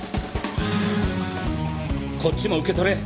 こっちも受け取れ。